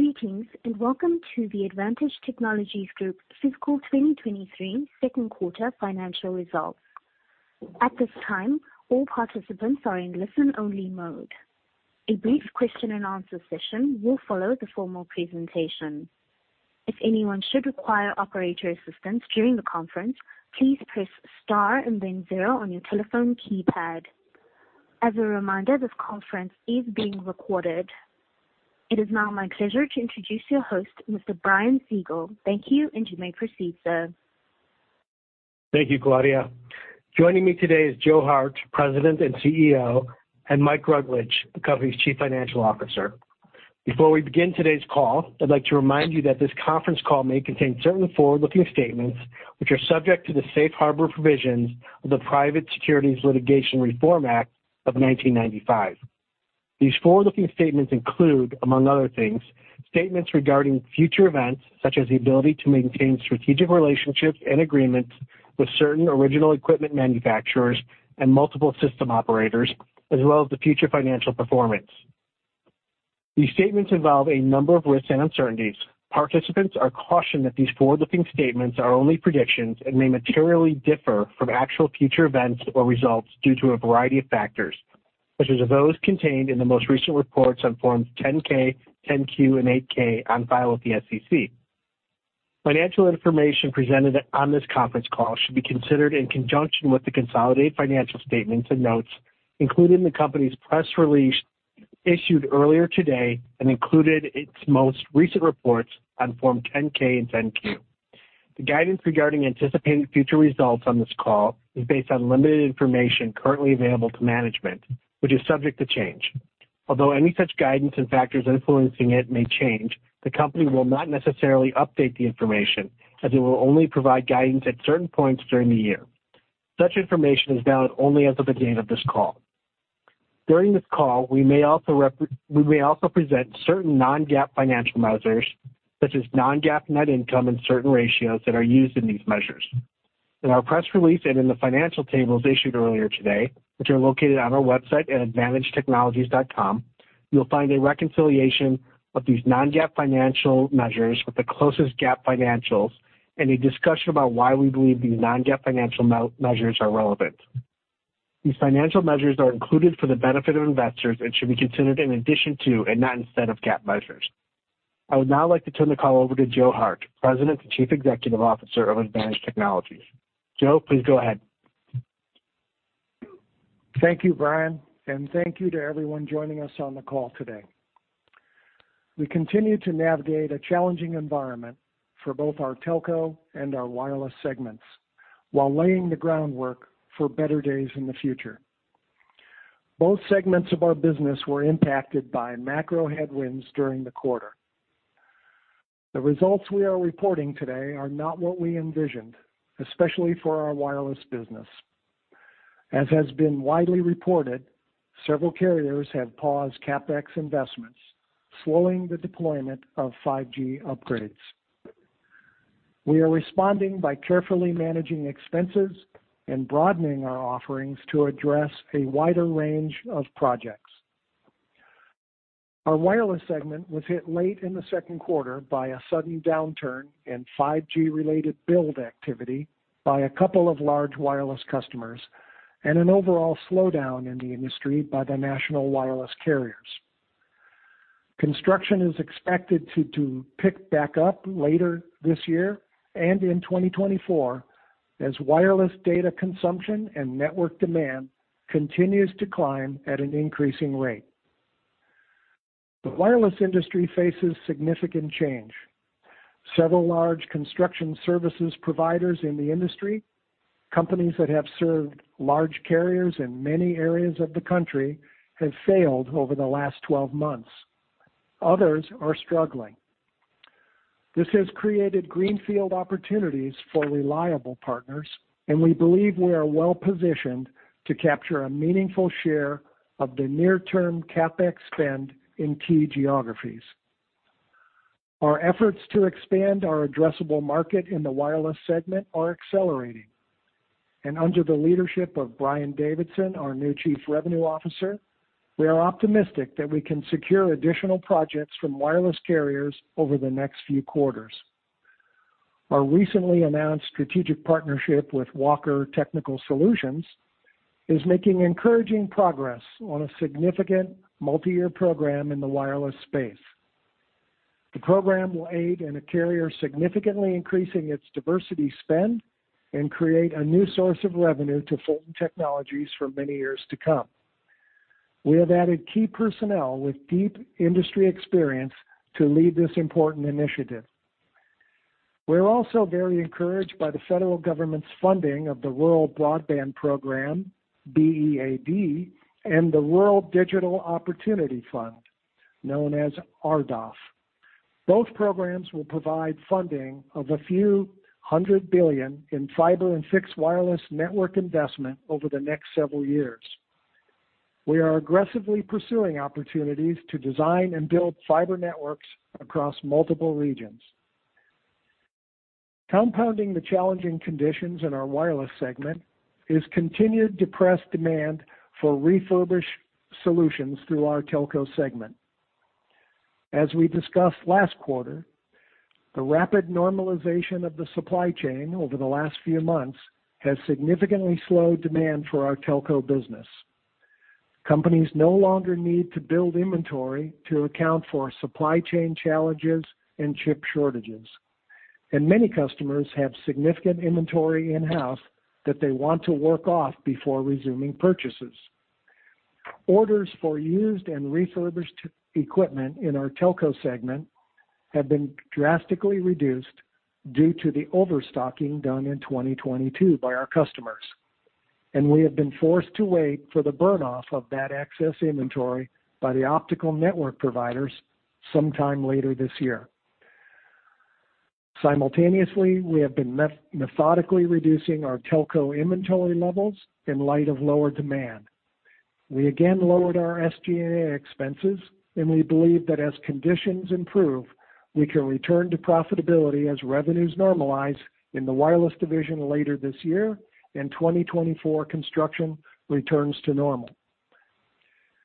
Greetings, welcome to the ADDvantage Technologies Group Fiscal 2023 second quarter financial results. At this time, all participants are in listen-only mode. A brief question-and-answer session will follow the formal presentation. If anyone should require operator assistance during the conference, please press Star and then 0 on your telephone keypad. As a reminder, this conference is being recorded. It is now my pleasure to introduce your host, Mr. Brian Siegel. Thank you, you may proceed, sir. Thank you, Claudia. Joining me today is Joe Hart, President and CEO, and Michael Rutledge, the company's Chief Financial Officer. Before we begin today's call, I'd like to remind you that this conference call may contain certain forward-looking statements, which are subject to the safe harbor provisions of the Private Securities Litigation Reform Act of 1995. These forward-looking statements include, among other things, statements regarding future events, such as the ability to maintain strategic relationships and agreements with certain original equipment manufacturers and multiple system operators, as well as the future financial performance. These statements involve a number of risks and uncertainties. Participants are cautioned that these forward-looking statements are only predictions and may materially differ from actual future events or results due to a variety of factors, such as those contained in the most recent reports on Forms 10-K, 10-Q, and 8-K on file with the SEC. Financial information presented on this conference call should be considered in conjunction with the consolidated financial statements and notes, including the company's press release issued earlier today and included its most recent reports on Form 10-K and 10-Q. The guidance regarding anticipated future results on this call is based on limited information currently available to management, which is subject to change. Although any such guidance and factors influencing it may change, the company will not necessarily update the information, as it will only provide guidance at certain points during the year. Such information is valid only as of the date of this call. During this call, we may also present certain non-GAAP financial measures, such as non-GAAP net income and certain ratios that are used in these measures. In our press release and in the financial tables issued earlier today, which are located on our website at addvantagetech.com, you'll find a reconciliation of these non-GAAP financial measures with the closest GAAP financials and a discussion about why we believe these non-GAAP financial measures are relevant. These financial measures are included for the benefit of investors and should be considered in addition to and not instead of GAAP measures. I would now like to turn the call over to Joe Hart, President and Chief Executive Officer of ADDvantage Technologies Group. Joe, please go ahead. Thank you, Brian. Thank you to everyone joining us on the call today. We continue to navigate a challenging environment for both our telco and our wireless segments, while laying the groundwork for better days in the future. Both segments of our business were impacted by macro headwinds during the quarter. The results we are reporting today are not what we envisioned, especially for our wireless business. As has been widely reported, several carriers have paused CapEx investments, slowing the deployment of 5G upgrades. We are responding by carefully managing expenses and broadening our offerings to address a wider range of projects. Our wireless segment was hit late in the second quarter by a sudden downturn in 5G-related build activity by a couple of large wireless customers and an overall slowdown in the industry by the national wireless carriers. Construction is expected to pick back up later this year and in 2024, as wireless data consumption and network demand continues to climb at an increasing rate. The wireless industry faces significant change. Several large construction services providers in the industry, companies that have served large carriers in many areas of the country, have failed over the last 12 months. Others are struggling. This has created greenfield opportunities for reliable partners, and we believe we are well-positioned to capture a meaningful share of the near-term CapEx spend in key geographies. Our efforts to expand our addressable market in the wireless segment are accelerating, and under the leadership of Brian Davidson, our new Chief Revenue Officer, we are optimistic that we can secure additional projects from wireless carriers over the next few quarters. Our recently announced strategic partnership with Walker Technical Solutions is making encouraging progress on a significant multiyear program in the wireless space. The program will aid in a carrier significantly increasing its diversity spend and create a new source of revenue to Fulton Technologies for many years to come. We have added key personnel with deep industry experience to lead this important initiative. We're also very encouraged by the federal government's funding of the Rural Broadband Program, BEAD, and the Rural Digital Opportunity Fund, known as RDOF. Both programs will provide funding of $few hundred billion in fiber and fixed wireless network investment over the next several years. We are aggressively pursuing opportunities to design and build fiber networks across multiple regions.... Compounding the challenging conditions in our wireless segment is continued depressed demand for refurbished solutions through our telco segment. As we discussed last quarter, the rapid normalization of the supply chain over the last few months has significantly slowed demand for our telco business. Companies no longer need to build inventory to account for supply chain challenges and chip shortages. Many customers have significant inventory in-house that they want to work off before resuming purchases. Orders for used and refurbished equipment in our telco segment have been drastically reduced due to the overstocking done in 2022 by our customers. We have been methodically reducing our telco inventory levels in light of lower demand. We again lowered our SG&A expenses, and we believe that as conditions improve, we can return to profitability as revenues normalize in the wireless division later this year, and 2024 construction returns to normal.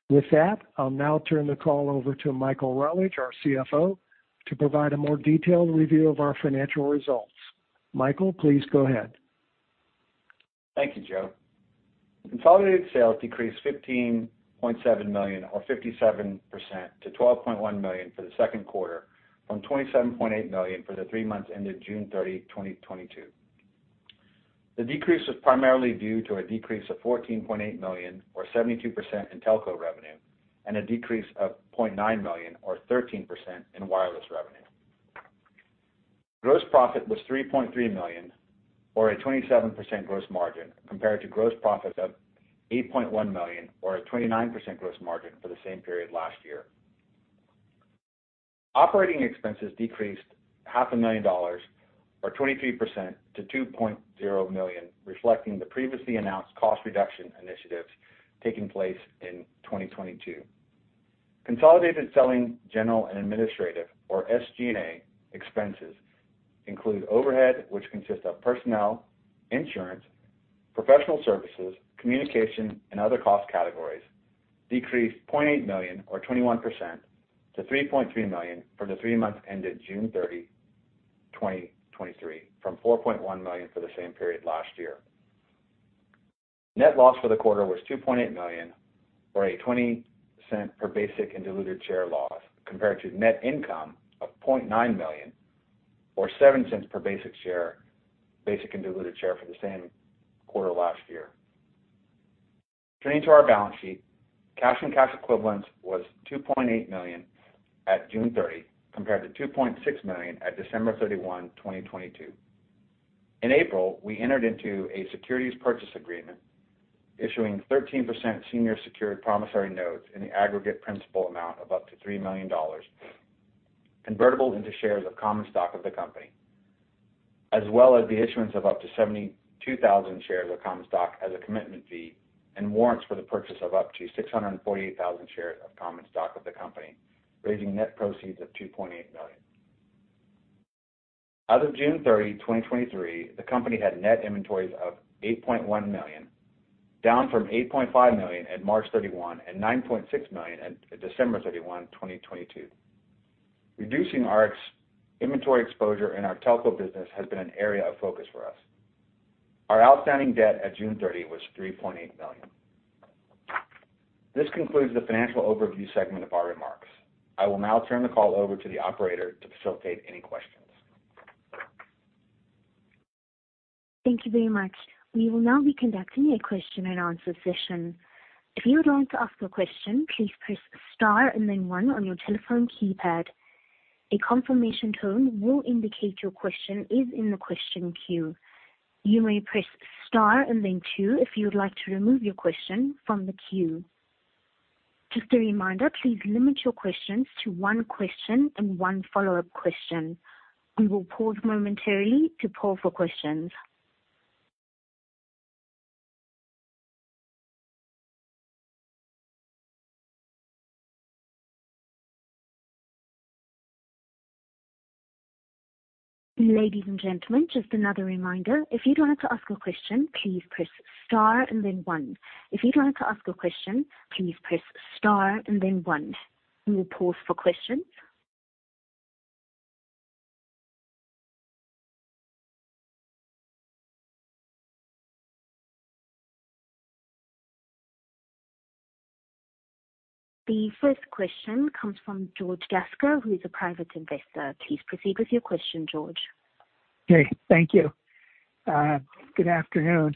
With that, I'll now turn the call over to Michael Rutledge, our CFO, to provide a more detailed review of our financial results. Michael, please go ahead. Thank you, Joe. Consolidated sales decreased $15.7 million, or 57%, to $12.1 million for the second quarter, from $27.8 million for the three months ended June 30, 2022. The decrease was primarily due to a decrease of $14.8 million, or 72%, in telco revenue and a decrease of $0.9 million, or 13%, in wireless revenue. Gross profit was $3.3 million, or a 27% gross margin, compared to gross profit of $8.1 million, or a 29% gross margin for the same period last year. Operating expenses decreased $500,000, or 23%, to $2.0 million, reflecting the previously announced cost reduction initiatives taking place in 2022. Consolidated selling, general, and administrative, or SG&A, expenses include overhead, which consists of personnel, insurance, professional services, communication, and other cost categories, decreased $0.8 million, or 21%, to $3.3 million from the 3 months ended June 30, 2023, from $4.1 million for the same period last year. Net loss for the quarter was $2.8 million, or a $0.20 per basic and diluted share loss, compared to net income of $0.9 million, or $0.07 per basic share, basic and diluted share for the same quarter last year. Turning to our balance sheet. Cash and cash equivalents was $2.8 million at June 30, compared to $2.6 million at December 31, 2022. In April, we entered into a securities purchase agreement, issuing 13% senior secured promissory notes in the aggregate principal amount of up to $3 million, convertible into shares of common stock of the company, as well as the issuance of up to 72,000 shares of common stock as a commitment fee and warrants for the purchase of up to 648,000 shares of common stock of the company, raising net proceeds of $2.8 million. As of June 30, 2023, the company had net inventories of $8.1 million, down from $8.5 million at March 31 and $9.6 million at December 31, 2022. Reducing our inventory exposure in our telco business has been an area of focus for us. Our outstanding debt at June 30 was $3.8 million. This concludes the financial overview segment of our remarks. I will now turn the call over to the operator to facilitate any questions. Thank you very much. We will now be conducting a question and answer session. If you would like to ask a question, please press star and then one on your telephone keypad. A confirmation tone will indicate your question is in the question queue. You may press star and then two if you would like to remove your question from the queue. Just a reminder, please limit your questions to one question and one follow-up question. We will pause momentarily to poll for questions. Ladies and gentlemen, just another reminder, if you'd like to ask a question, please press star and then one. If you'd like to ask a question, please press star and then one. We will pause for questions. The first question comes from George Gasca, who is a private investor. Please proceed with your question, George. Hey, thank you. Good afternoon.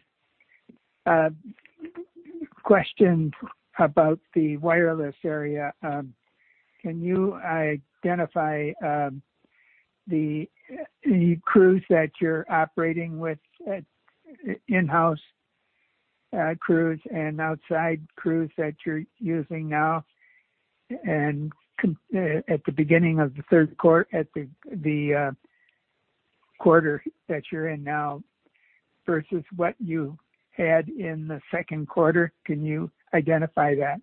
Question about the wireless area. Can you identify the crews that you're operating with, in-house, crews and outside crews that you're using now and at the beginning of the third quarter, at the quarter that you're in now versus what you had in the second quarter? Can you identify that?...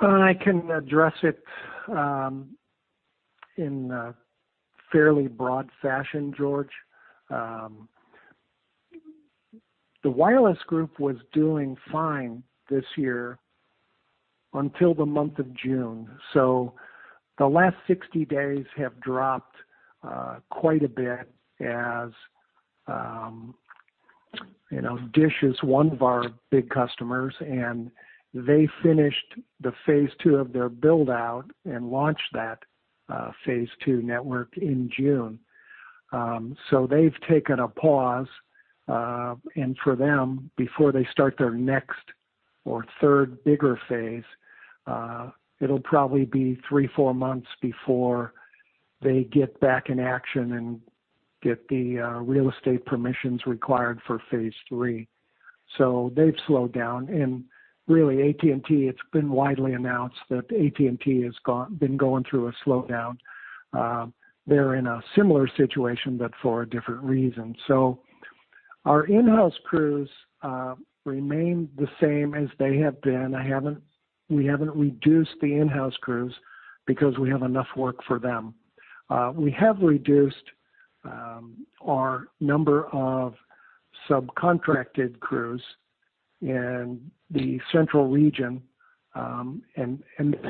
I can address it in a fairly broad fashion, George. The wireless group was doing fine this year until the month of June, so the last 60 days have dropped quite a bit as, you know, DISH is one of our big customers, and they finished the phase two of their build-out and launched that phase two network in June. They've taken a pause, and for them, before they start their next or third bigger phase, it'll probably be three, four months before they get back in action and get the real estate permissions required for phase three. They've slowed down. Really, AT&T, it's been widely announced that AT&T has been going through a slowdown. They're in a similar situation, but for a different reason. Our in-house crews remain the same as they have been. We haven't reduced the in-house crews because we have enough work for them. We have reduced our number of subcontracted crews in the central region, and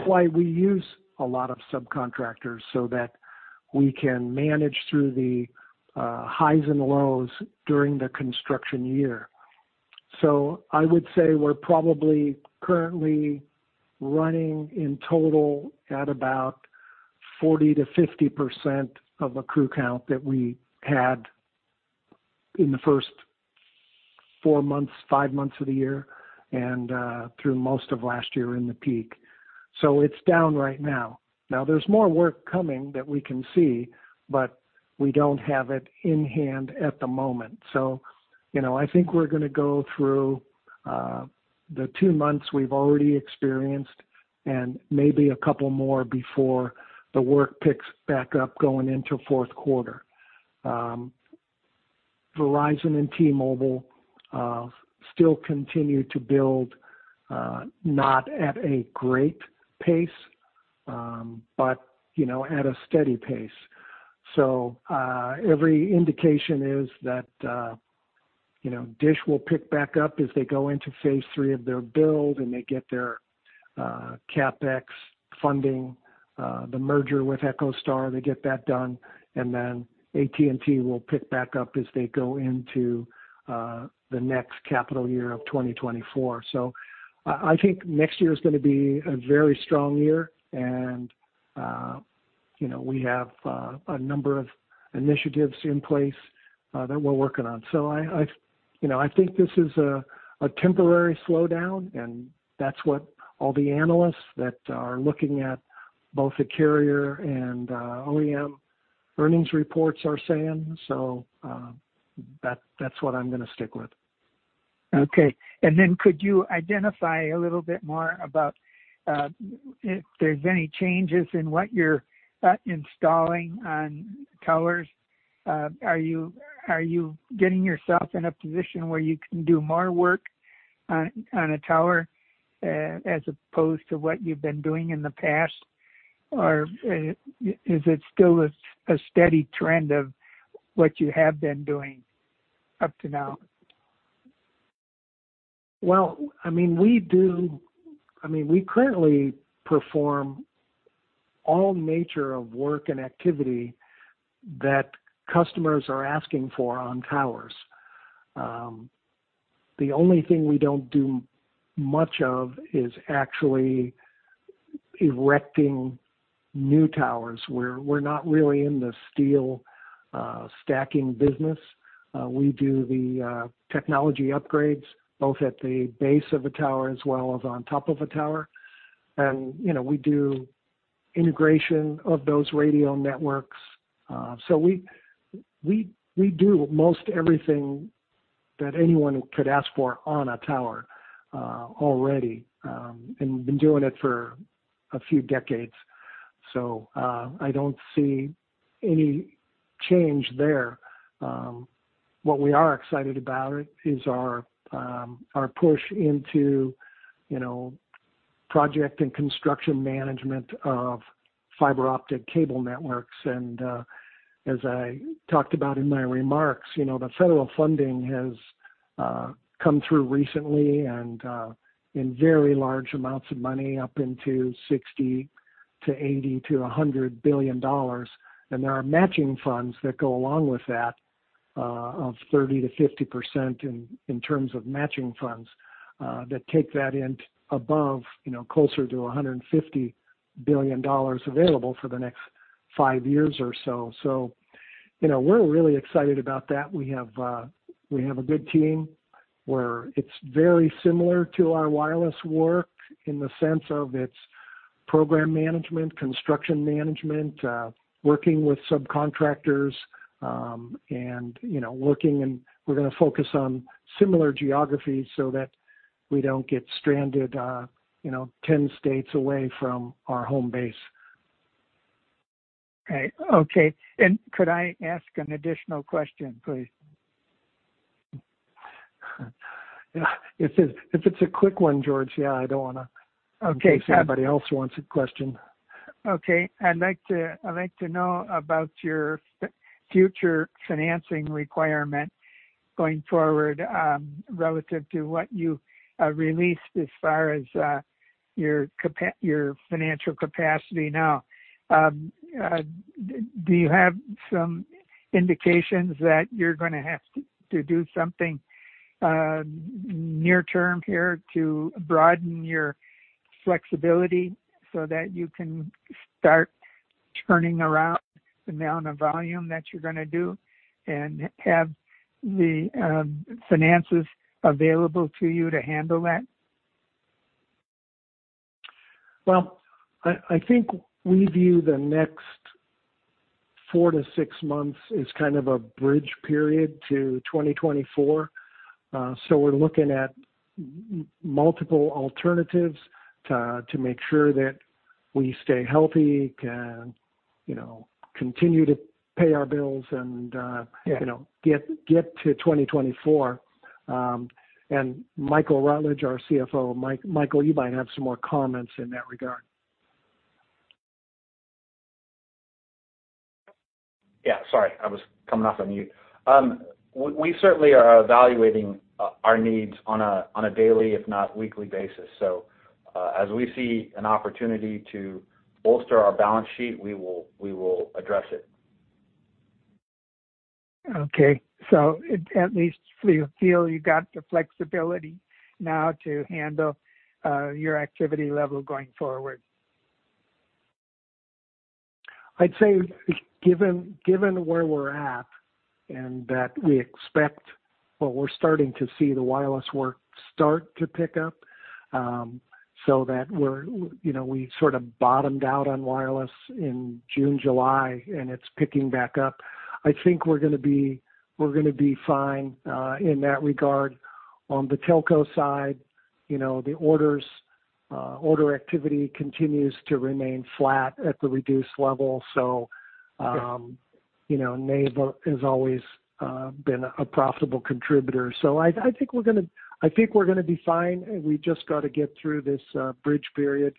why we use a lot of subcontractors so that we can manage through the highs and lows during the construction year. I would say we're probably currently running in total at about 40%-50% of the crew count that we had in the first 4 months, 5 months of the year and through most of last year in the peak. It's down right now. Now, there's more work coming that we can see, but we don't have it in hand at the moment. You know, I think we're gonna go through the two months we've already experienced and maybe a couple more before the work picks back up going into fourth quarter. Verizon and T-Mobile still continue to build, not at a great pace, but, you know, at a steady pace. Every indication is that, you know, Dish will pick back up as they go into phase three of their build, and they get their CapEx funding, the merger with EchoStar, they get that done, and then AT&T will pick back up as they go into the next capital year of 2024. I, I think next year is gonna be a very strong year, and, you know, we have a number of initiatives in place that we're working on. I, I, you know, I think this is a, a temporary slowdown, and that's what all the analysts that are looking at both the carrier and OEM earnings reports are saying. That, that's what I'm gonna stick with. Okay. Then could you identify a little bit more about, if there's any changes in what you're installing on towers? Are you, are you getting yourself in a position where you can do more work on, on a tower, as opposed to what you've been doing in the past? Or is it still a, a steady trend of what you have been doing up to now? Well, I mean, we do... I mean, we currently perform all nature of work and activity that customers are asking for on towers. The only thing we don't do much of is actually erecting new towers. We're, we're not really in the steel stacking business. We do the technology upgrades, both at the base of a tower as well as on top of a tower. You know, we do integration of those radio networks. We, we, we do most everything that anyone could ask for on a tower already, and we've been doing it for a few decades, so I don't see any change there. What we are excited about is our push into, you know, project and construction management of fiber optic cable networks. As I talked about in my remarks, you know, the federal funding has come through recently and in very large amounts of money, up into $60 billion to $80 billion to $100 billion. There are matching funds that go along with that, of 30%-50% in, in terms of matching funds, that take that into above, you know, closer to $150 billion available for the next 5 years or so. You know, we're really excited about that. We have, we have a good team, where it's very similar to our wireless work in the sense of its program management, construction management, working with subcontractors, and, you know, looking and we're gonna focus on similar geographies so that we don't get stranded, you know, 10 states away from our home base. Okay. Could I ask an additional question, please? If it, if it's a quick one, George, yeah, I don't want to- Okay. If anybody else wants a question. Okay. I'd like to, I'd like to know about your future financing requirement going forward, relative to what you released as far as your financial capacity now. Do you have some indications that you're gonna have to, to do something near term here to broaden your flexibility so that you can start turning around the amount of volume that you're gonna do, and have the finances available to you to handle that? Well, I, I think we view the next 4 to 6 months as kind of a bridge period to 2024. We're looking at multiple alternatives to, to make sure that we stay healthy, can, you know, continue to pay our bills and. Yeah you know, get to 2024. Michael Rutledge, our CFO. Mike, Michael, you might have some more comments in that regard. Yeah, sorry, I was coming off on mute. we, we certainly are evaluating, our needs on a, on a daily, if not weekly basis. As we see an opportunity to bolster our balance sheet, we will, we will address it. Okay. at least you feel you got the flexibility now to handle your activity level going forward? I'd say, given, given where we're at and that we expect... Well, we're starting to see the wireless work start to pick up, so that we're, you know, we sort of bottomed out on wireless in June, July, and it's picking back up. I think we're gonna be, we're gonna be fine in that regard. On the telco side, you know, the orders, order activity continues to remain flat at the reduced level. Yeah you know, Nave has always been a profitable contributor. I, I think we're gonna-- I think we're gonna be fine. We just got to get through this bridge period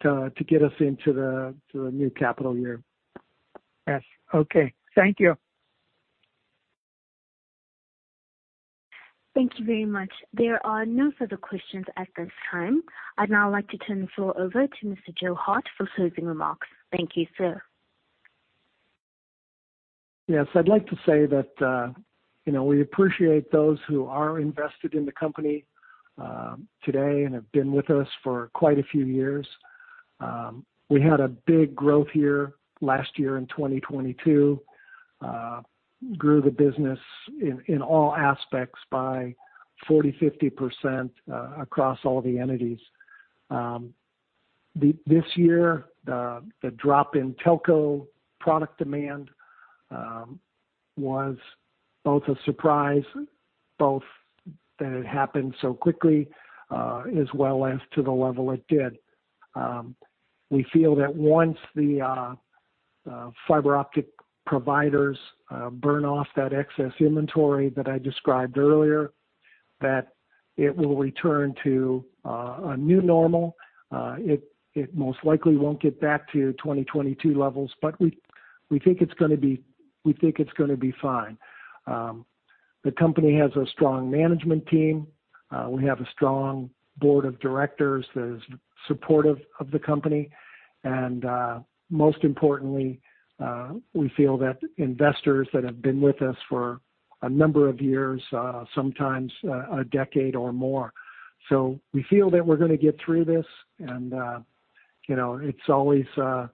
to, to get us into the, to the new capital year. Yes. Okay. Thank you. Thank you very much. There are no further questions at this time. I'd now like to turn the floor over to Mr. Joe Hart for closing remarks. Thank you, sir. Yes, I'd like to say that, you know, we appreciate those who are invested in the company today and have been with us for quite a few years. We had a big growth year last year in 2022, grew the business in all aspects by 40%-50% across all the entities. This year, the drop in telco product demand was both a surprise, both that it happened so quickly, as well as to the level it did. We feel that once the fiber optic providers burn off that excess inventory that I described earlier, that it will return to a new normal. It most likely won't get back to 2022 levels, but we, we think it's gonna be, we think it's gonna be fine. The company has a strong management team. We have a strong board of directors that is supportive of the company. Most importantly, we feel that investors that have been with us for a number of years, sometimes a decade or more. We feel that we're gonna get through this, and you know, it's always an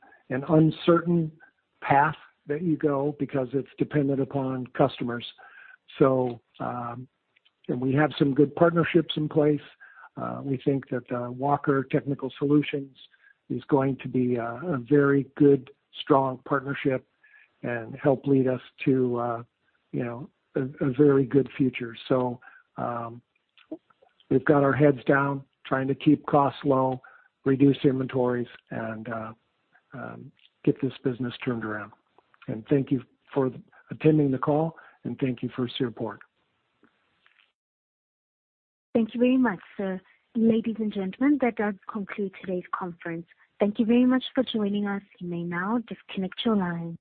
uncertain path that you go because it's dependent upon customers. And we have some good partnerships in place. We think that Walker Technical Solutions is going to be a very good, strong partnership and help lead us to, you know, a very good future. We've got our heads down, trying to keep costs low, reduce inventories, and get this business turned around. Thank you for attending the call, and thank you for your support. Thank you very much, sir. Ladies and gentlemen, that does conclude today's conference. Thank you very much for joining us. You may now disconnect your line.